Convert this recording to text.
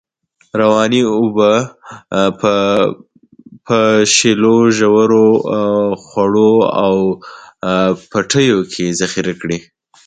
روانې اوبه په په شیلو، ژورو، خوړو او پټیو کې ذخیره کړی.